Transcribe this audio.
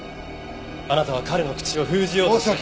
あなたは彼の口を封じようとして。